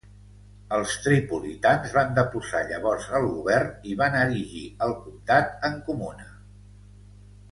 Els tripolitans van deposar llavors el govern i van erigir el comtat en comuna.